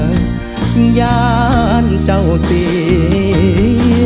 อย่าถามดังเจ้าเอายังเนาสิคิดดีจากย้ำใดก็ได้